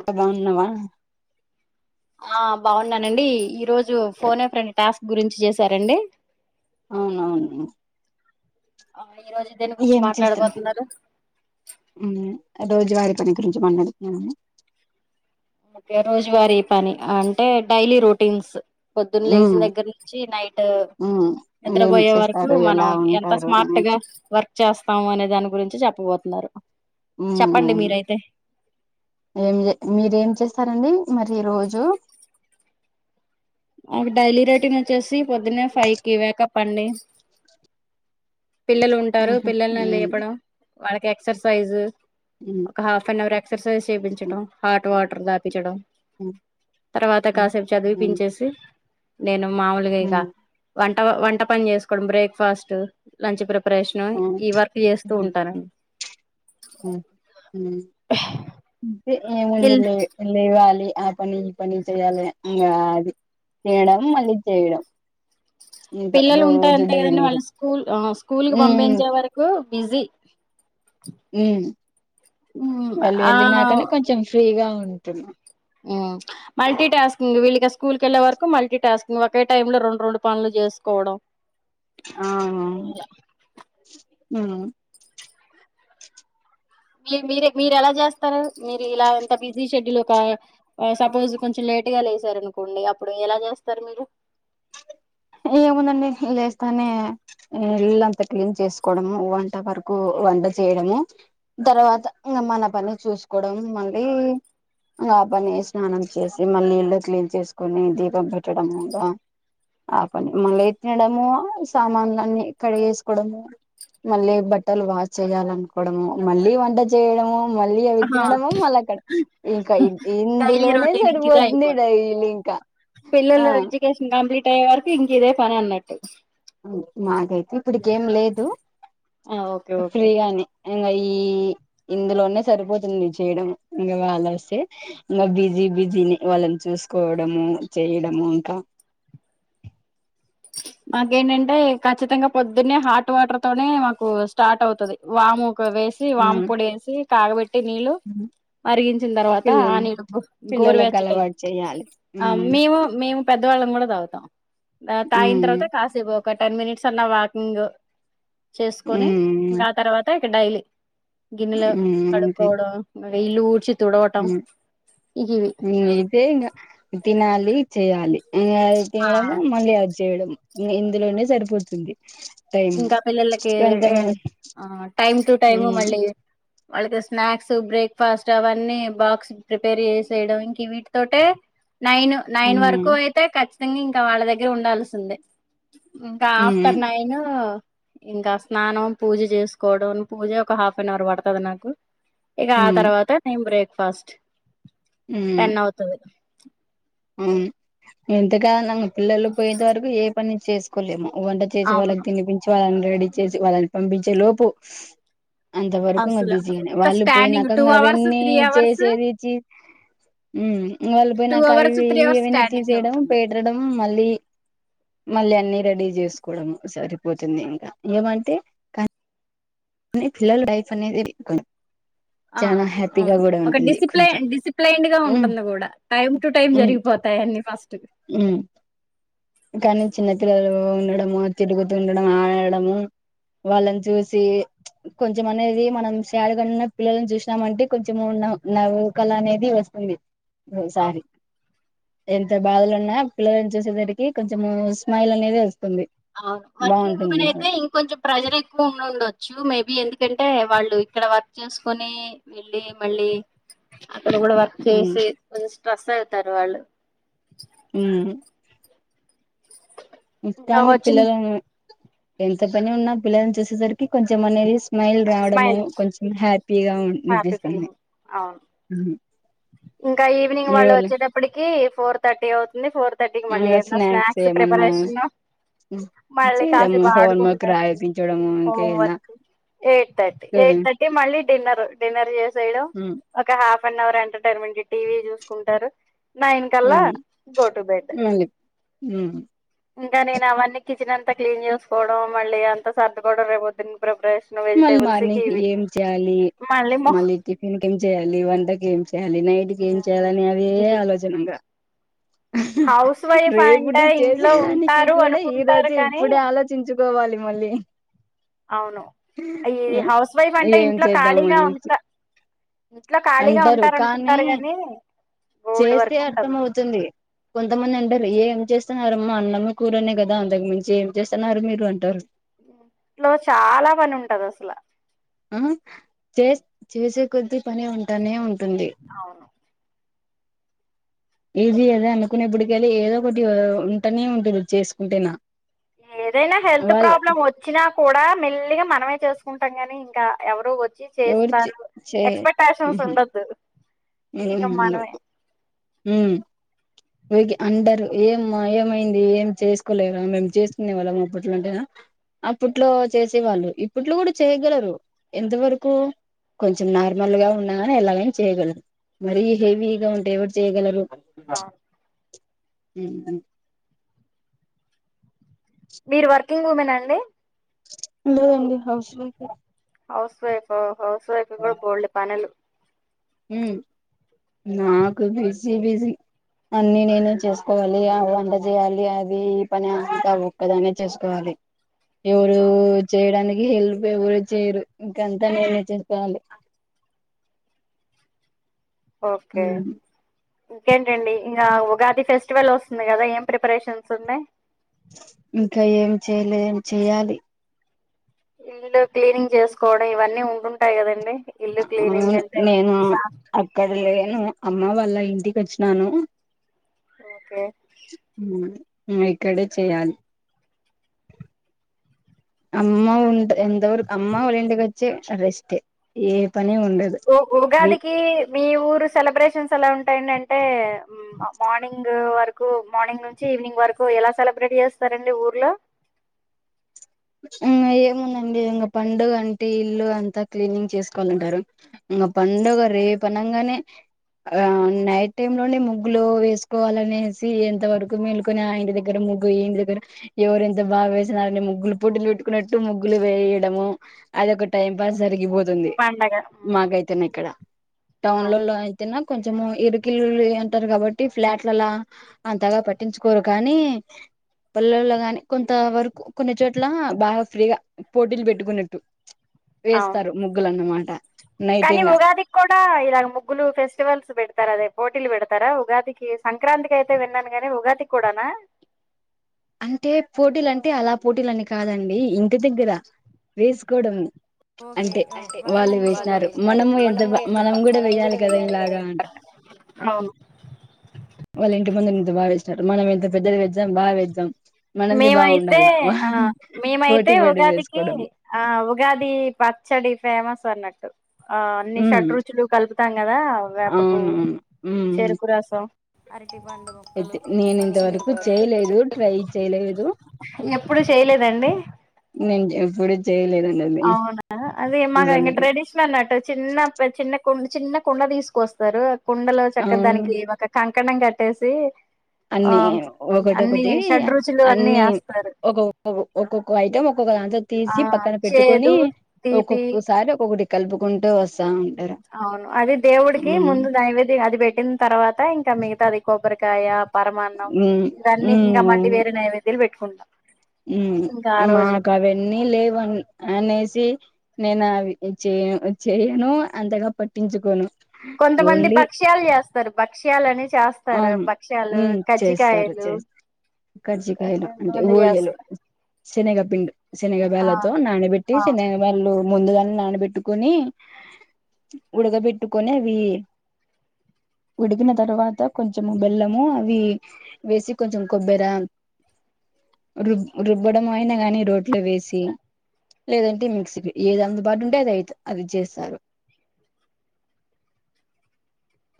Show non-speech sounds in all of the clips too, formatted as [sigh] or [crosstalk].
అకా బాగున్నావా ఆ బాగున్నానండి ఈ రోజు ఫోన్ ప్రని టాస్క్ గురించి చేసారండి అవునవును ఆ ఈ రోజు దేని గురించి ఏం చేస్తన్నా మాట్లాడబోతున్నారు రోజువారీ మడుకు ఓకే రోజువారీ పని అంటే డైలీ రొటీన్స్ పొద్దున్న లేచిన ఉమ్ దగ్గర నుంచి నైట్ ఉమ్ ఏం నిద్రబయే వరకు చేస్తారు మనం ఎలా ఎంత ఉంటారు స్మార్ట్ గా అనేసి వర్క్ చేస్తాము అనే దాని గురించి చెప్పబోతున్నారు ఊ చెప్పండి మీరైతే ఏం జె మీరేం చేస్ స్తారండి మరి రోజు మాకు డైలీ రొటిన్ వచ్చేసి పొద్దున్న ఫైవ్ కి వ్యాకప్పండి పిల్లలు ఉంటారు ఉహు పిల్లలని ఉమ్ లేపడం వాళ్ళకి ఎక్సర్సైజ్ ఉమ్ ఒక హాఫ్ అన్ అవర్ ఎక్సర్సైజ్ చేయించడం హాట్ వాటర్ దాపించడం ఉమ్ తర్వాత ఉమ్ కాసేపు చదివిపించేసి నేను మావులుగా ఇంగ ఉమ్ వంట వంట పని చేసుకోవడం బ్రేక్ఫాస్టు లంచ్ ప్రి పరేషన్ ఈ ఉమ్ వర్క్ చేస్తూ ఉంటానండి ఉ ఊ చి ఏముంది పిల్ లే లేవాలి ఆ పని ఈ పని చేయాలి ఇంగ చేయడం మళ్ళీ చేయడం ఇంకా పిల్లలు ఉంటారు రోజు అంతే కదండి డైలీ వాళ్ళ స్కూల్ ఆ స్కూల్ కి ఉమ్ పంపించే వరకు బిజీ ఉ వాళ్ళు ఆ వెళ్ళినాకని కొంచెం ఫ్రీగా ఉంటుంది ఊ మల్టీ టాస్కింగ్ వీళ్ళకి స్కూల్ కెళ్ళ వరకు మల్టీ టాస్కింగ్ ఒకే టైమ్ లో రెండు రెండు పనులు చేసుకోవడం ఆ మీ మీర మీరు ఎలా చేస్తారు మీరు ఇలా ఎంత బిజీ షెడ్యూల్ ఒక సపోజ్ కొంచెం లే ట్గా లేసారనుకోండి అప్పుడు ఎలా చేస్తారు మీరు ఏముందండి లేస్తానే ఇల్ళంతా క్లీన్ చేసుకోవడము వంట వరకు వంట చేయడము తర్వాత ఇంకా మన పని చూసుకోవడం మళ్ళీ ఇంగ ఆ పని స్నానం చేసి మళ్ళీ ఇళ్లు క్లీన్ చేసుకుని దీపం పెట్టడం ఇగ ఆ పని మళ్ళీ తినడము సామాన్ల అన్నీ కడిగేసుకోవడము మళ్ళీ బట్టలు వాష్ చేయాలనుకోవడము మళ్ళీ వంట చేయడము మళ్ళీ అవి ఆహా తినడము మళ్ళీ అక్కడ ఇంకా డైలీ ఇందులోనే రొటీన్ ఇంక ఇదే సరిపోతుంది అయిపోతుంది డైలి ఇంకా ఆ పిల్లలు ఎడ్యుకేషన్ కంప్లీట్ అయ్యే వరకు ఇంక ఇదే పని అన్నట్టు మాగైతే ఇప్పుడికేం లేదు ఆ ఓకే ఓకే ఫ్రీగానే ఇంగ ఈ ఇందులోనే సరిపోతుంది చేయడం ఇంకా వాళ్ళ వస్తే ఇంకా బిజీ బిజీని వాళ్ళ చూసుకోవడము చేయడము ఇంకా మాకేంటంటే ఖచ్చితంగా పొద్దునే హాట్ వాటర్ తోనే మాకు స్టార్ట్ అవుతది వాము ఓకే వేసి వామ్ ఉమ్ పొడి వేసి కాగబెట్టి నీళ్ళు మరిగించిన తర్వాత పిల్ ఆ నీళ్డు పిల్లలకు గోరువెచ్చట అలవాటు చేయాలి ఆ ఉమ్ మేము మేము పెద్దవాళ్ళం కూడా తాగుతాం తాయిన ఉమ్ తర్వాత కాసేపు ఒక టెన్ మినిట్స్ అన్న వాకింగ్ చేసుకొని ఉమ్ ఇంకా ఆ తర్వాత ఇక డైలీ గిన్నెలు కడుకోడం ఇలు ఊడ్చి ఉ తుడవటం ఇగివి నేనైతే ఇంగ తినాలి చేయ్యాలి ఇం ఆ తినడం మళ్ళీ అద్ చేయడం ఇందులోనే సరిపోతుంది టైం ఇంకా పిల్లలకి కొంత ఆ టైమ్ టు టైమ్ మళ్ళీ వాళ్ళకి స్నాక్స్ బ్రేక్ఫాస్ట్ అవన్నీ బాక్స్ ప్రిపేర్ చేసేయడం ఇంక వీటి తోటే నైన్ నైన్ వరకు అయితే ఖచ్చితంగా ఇంకా వాళ్ళ దగ్గర ఉండాల్సిందే ఇంకా ఆఫ్టర్ నైన్ ఇంకా స్నానం పూజ చేసుకోవడం పూజ ఒక హాఫ్ అన్ అవర్ పడుతుంది నాకు ఇక ఆ తర్వాత నేను బ్రేక్ఫాస్ట్ టెన్ అవుతది అవును ఇంతగాదన మీ పిల్లలు పోయేంత వరకు ఏ పని చేసుకోలేము వంట చేసి వాళ్ళకి అవును తినిపించి వాళ్ళని రెడీ చేసి వాళ్ళని పంపించే లోపు అంత వరకు ఇ అసలు బిజీనే వాళ్ళు స్టాండింగ్ టూ పోయినకంగా అవర్స్ అవన్నీ త్రీ అవర్స్ చేసేది హ్మ్ వాళ్ళి పోయి టూ నాకు అవి అవర్స్ త్రీ ఇవి అవర్స్ ఏవనా స్టాండింగే తీసేయడం ఉంటుంది పెట్టడం మళ్ళీ మళ్ళీ అన్ని రెడీ చేసుకోవడము సరిపోతుంది ఇంకా ఏమంటే ల్లల లైఫ్ అనేది ఆ చాలా హ్యాపీగా అవును కూడా ఒక ఉంటుంది కొంచెం డిసిప్లైన్ డిసిప్లైన్డ్ గా ఉమ్ ఉంటుంది కూడా టైమ్ టు టైమ్ జరిగిపోతుంది న్ని ఫస్ట్ మ్మ్ కానీ చిన్నపిల్లలు ఉండడము తిరుగుతూ ఉండడం ఆడడము వాళ్ళని చూసి కొంచెం అనేది మనం శడగా ఉన్న పిల్లని చూసామంటే కొంచెం ఉన్న నవ్వుకల అనేది వస్తుంది ఓ సారి అవును ఎంత బాధలున్నా పిల్లని చూసేసరికి కొంచెం స్మైల్ అనేది వాస్ అవును వర్కింగ్ ఉమెన్ అయితే ఇంకొంచెం ప్రెషర్ ఎక్కువ ఉండొచ్చు చ్చ మేబి ఎందుకంటే వాళ్ళు ఇక్కడ వర్క్ చేసుకోని వెళ్ళి మళ్ళీ ఎ కూడా వర్క్ చేసి కొంచం స్ట్రెస్ అవుతారు వాళు హ్మ్ ఇ ఇంకా కానీ వచ్చింది పిల్లల ఎంత పని ఉన్నా పిల్లలను చూసేసరికి కొంచెంమనీ స్మైల్ రావడము స్మైల్ కొంచెం హ్యాపీగా హ్యాపీ అనిపిస్తుంది ఫీలింగ్ అవును ఇంకా ఈవినింగ్ వాళ్ళు ఎవళ వచ్చేటప్పటికి ఫోర్ థర్టీ అవుతుంది ఫోర్ కి మళి ఇంకా స్నాక్స్ ఏమన్నా ప్రిపరేషన్ మళ్ళీ కాసి చేయడము హోంవర్క్ అడుకుంటారు రాయిపించడము ఇంకా హోమ్ ఇలా work eight thirty eight thirty మళ్ళీ డిన్నర్ డిన్నర్ చేసేయడం ఒక half one hour entertainment TV చూసుకుంటారు నైన్ కల్లా గో టు బెడ్ మళ్ళీ ఇంకా నేను అవన్నీ కిచెన్ అంతా క్లీన్ చేసుకోవడం మళ్ళీ అంత సర్దుకోవడం రేపోద్దునా ప్రిపరేషన్ మళ్ళీ వెజిటేబుల్స్ కి మార్నికి ఇవి ఏం చేయాలి మళ్ళీ టిఫిన్ కి ఏం చేయాలి వంటకి ఏం చేయాలి నైటికి ఏం చేయాలని అదే ఆలోచన ఇగ హౌస్ వైఫ్ అంటే రేపుటి ఇంట్లో చేసేదానికి ఉంటారు కూడా ఈ అనుకుంటారు రోజే కానీ ఇప్పుడే ఆలోచించుకోవాలి మళీ అవును ఈ హౌస్ వైఫ్ అంటే ఏం ఇంట్లో చేద్దాము ఖాళీగా ఉంట అనేసి ఇంట్లో ఖాళీగా అంటారు కానీ ఉంటారునుకుంటారు గానీ చేస్తే అర్థం అవుతుంది కొంతమంది అ అంటారు ఏం చేస్తున్నారుమ్మా అన్నమ్మ కూరనే కదా అంతకు మించి ఏం చేస్తున్నారు మీరు అంటారు ఇంట్లో చాలా పని ఉంటది అసల ఆ చే చేసే కొద్ద్దీ పని ఉంటానే ఉంటా అవును ఏది అదా అనుకునేప్పటికెళ్ళి ఏదో ఒకటి ఉంటనే ఉంటుంది చేసుకుంటే నా ఏదైనా హెల్త్ ప్రాబ్లమ్ వచ్చినా కూడా మెల్లిగా మనమైతే చేసుకుంటాం కాని ఇంకా ఎవరు వచ్చి ఎవరు చే చేస్తారు ఎక్స్పెక్టేషన్స్ ఉండద్దు ఇక హ్మ్ మనమే హ్మ్ అందరు ఏ అమ్మ ఏమైంది ఏం చేసుకోలేవ మేము చేసుకో లేదా అపట్లో అంటేదా అప్పట్లో చేసే వాళ్ళు ఇప్పట్లో కూడా చేయగలరు ఎంత వరకు కొంచెం నార్మల్ గా ఉన్నాగాని ఎలాగ చేయగలరు మరి హెవీగా ఉంటే ఎవరు చేయ్యగలరు ఆ మ్మ్ మీరు వర్కింగ్ ఉమెన్ ఆ అండి లేదండి హౌస్ వైఫ్ ఎ హౌస్ వైఫ్ హౌస్ వైఫ్ కూడా బోల్డ్ పనులు హ్మ్ నాకు బిజీ బిజి అన్ని నేనే చేసుకోవాలి అ వంట చేయాలి అది ఈ పని అంత ఒక్కదానే చేసుకోవాలి ఎవరు చేయడానికి ఈ హెల్ప్ ఎవరు చేయరు ఇంకంతా నేనే చేసుకోవాలి ఓకే ఇంకేంటండి ఇగ ఉగాది ఫెస్టివల్ వస్తుంది కదా ఏం ప్రిపరేషన్స్ ఉన్నాయ్ ఇంకా ఏం చేయలే ఏం చెయ్యాలి ఇళ్ళు క్లీనింగ్ చేసుకోవడం ఇవన్నీ ఉండున్టాయ్ కదండి ఇల్లు అవును క్లీనింగ్ అంటే నేను అక్కడ లేను అమ్మ వాళ్ళ ఇంటికి వచ్చినాను ఓకే హ్మ్ హ్మ్ ఇక్కడే చేయాలి అమ్మ ఉంట ఎంతా అమ్మ వాళ్ళ ఇంటికీవొచ్చి రెస్ట్ ఈ ఉ ఉగాదికి మీ ఊరు సెలబ్రేషన్స్ ఎలా ఉంటాయండిడి మ్ ఆ మార్నింగ్ వరకు మార్నింగ్ నుంచి ఈవినింగ్ వరకు ఎలా సెలబ్రేట్ చేస్తారండి ఊర్లో హ్మ్ ఏముందండి ఇంక పండుగంటే ఇల్లు అంతా క్లీనింగ్ చేసుకోవాలంటారు ఇంగ పండుగ రేపనంగానే ఆ నైట్ టైమ్ లోనే ముగ్గులు వేసుకోవాలనేసి ఎంత వరకు మేల్కొని ఆఇంటి దగ్గర ముగ్గులు ముగ్గు ఈ ఇంటి దగ్గర ఎవరెన్త బా వేసినారని ముగ్గులు పోటీలు పెట్టుకున్నట్టు ముగ్గులు వేయడము అది ఒక టైం పాస్ జరిగిపోతు తుంది పండగ మ్మ్. మాకైతేనా ఇక్కడ టౌన్ ల అవును లో అయితేనా కొంచము ఇరుకిల్లులు అంటారు కాబట్టి ఫ్లాట్లలా అంతగా పట్టించుకోరు కానీ పల్లల్లో గాని కొంత వరకు కొన్ని చోటు అట్లా బాగా ఫ్రీగా పోటీలు పెట్టుకున్నట్టు అవును వేస్తారు ముగ్గులన్నమాట కానీ ఉగాది కి కూడా కూడా ఇలాగ ముగ్గులు ఫెస్టివల్స్ పెడతారు అదే పోటీలు పెడతారా ఉగాదికి సంక్రాంతికి అయితే విన్నాను గానీ ఉగాది కి కూడానా అంటే పోటీలంటే అలా పోటీలని కాదండి ఇంటి దగ్గర వేసుకోవడం ఓకే అంటే ఒకల్ని చూసి ఒకరు వాళ్ళు వేసినారు మనము ఎంత మనం కూడా వెయాలి కదా ఇ అవును వాళ్లింటి ముందురు ఇంత బాగా వేస్నారు మనం ఎంత పెద్దది వేద్దాం బా వేద్దాం మనది మేమైతే బాగుండాల ఆ మేమైతే పోటీ పడి ఉగాదికి వేసుకోవడం ఆ ఉగాది చ్చడి ఫేమస్ అన్నట్టు ఆ అన్ని ఉమ్ షడ్రుచులు కలుపుతాం కదా వేపపువ్వు అవునవును ఉమ్ చెరుకు రసం అరటి పండు ముొక్కలు అయితే నేను ఇంతవరకు చేయలేదు ట్రై [unintelligible] చేయలేదు ఎప్పుడు చేయలెదండి నేను ఎప్పుడు చేయలేదండి అది అవునా అదే మాగ ఇంగ అసలకి ట్రెడిషన్ అన్నటు చిన్న చిన్న కుండ చిన్న కుండ తీసుకొస్తారు ఆ కుండలో చక్క అవును దానికి ఒక కంకణం కట్టేసి ఆ అన్ని అన్ని ఒకటొకటి షడ్రుచులు అన్ని వేస్తారు ఒకొ ఒక్కొక్క ఐటం ఒకదాంట్లో ఆ తీసి పక్కన పెట్టుకొని చేదు తీపి ఒక్కొక్కసారి ఒక్కొక్కటి కలుపుకుంటూ వస్త అవును అది దేవుడికి మ్మ్ ముందు నైవేద్య అది పెట్టిన తర్వాత ఇంకా మిగతాది కొబ్బరికాయ్ కాయ పరమాన్నం ఇగ అన్నీ ఇంకా మళ్ళీ వేరే నైవేద్యాలు పెట్టుకుంటాం హ్మ్ ఇంకా ఆ రోజు మాకవన్నీ లేవన్ అనేసి నేను అవి చేయ చేయను అంతగా పట్టించుకోను కొంతమంది ఓన్లీ బక్షాలు చేస్తారు బ భక్ష్యాలని ఆ చేస్తారు భక్ష్యాలు కజ్జికాయలు కర్జికాయలు అంటే కొంతమంది ఓలిగలు చేస్తారు శనగపిండి శనగ ఆ బాళ్ళతో నాన్నబేట్టి ఆ శనగ బాల్లు ముందుగానే నానబెట్టుకొని ఉడకబెట్టుకొని అవి ఉడికిిన తర్వాత కొంచము బెల్లము అవి వేసి కొంచెం కొబ్బరి రుబ్ రుబ్బడం అయినా గాని రోట్లో వేసి లేదంటే మిక్సీకి ఏది అందుబాటు ఉంటే అది అయిత అది చేస్తారు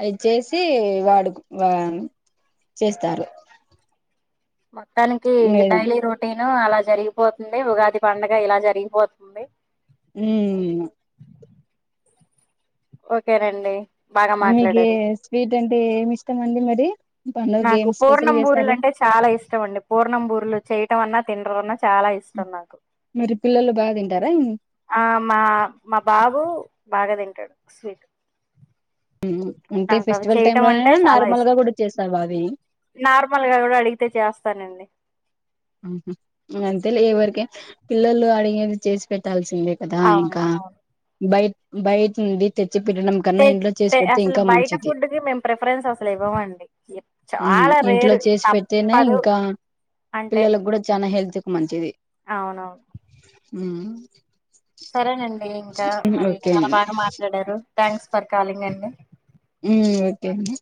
అది చేసి వాడు ఆ చేస్తారు మొత్తానికి ఇగ లేదన్ డైలీ రోటీన్ అలా జరిగిపోతుంది ఉగాది పండగ ఇలా జరిగిపోతుంది ఉం ఓకేనండి బాగా మీకే మాట్లాడారు స్వీట్ అంటే ఏమి ఇష్టం అండి మరి పండుగకి నాకు ఏం స్పెషల్ పూర్ణం బూరలు చేస్తారు అంటే చాలా ఇష్టం అండి పూర్ణం బూరలు చేయటం అన్నా తిన్నటం చాలా ఇష్టం నాకు మరి పిల్లలు బాగా తింటారా ఆ మా మా బాబు బాగా తింటాడు స్వీట్ అంటే ఫెస్టివల్ టైమ్ చేయటం అంటే లోనైనా చాలా నార్మల్ గా ఇష్టం కూడా చేస్తారు అవి నార్మల్ గా కూడా అడిగితే చేస్తానండి ఆహ అంతే లే ఎవరికే పిల్లలు అడిగేది చేసి పెట్టాల్సి కదా అవును ఇంకా అవును బయ బయట నుండి తె చ్చి పెట్టడం కన్నా తే ఇంట్లో చేసి తే పెడితే అసలు ఇంకా బయట మంచిది ఫుడ్ కి మేము ప్రిఫరెన్స్ అసలు ఇవ్వమండి ఎప్ ఉం చాలా ఇంట్లో రేరు చేసి పెడితేనే తప్పదు ఇంకా అంటే పిల్లలకు కూడా చానా హెల్త్కి మంచిది అవునవును సరేనండి ఇంకా మరి ఓకే చాలా అండి బాగా మాట్లాడారు థ్యాంక్స్ ఫర్ కాలింగ్ అండి ఉం ఓకే అండి